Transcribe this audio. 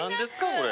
これ。